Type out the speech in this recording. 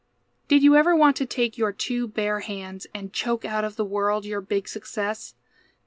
Did you ever want to take your two bare hands, And choke out of the world your big success?